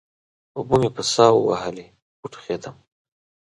اوبه مې په سا ووهلې؛ وټوخېدم.